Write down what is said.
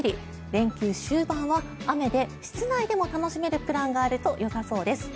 連休終盤は雨で室内でも楽しめるプランがあるとよさそうです。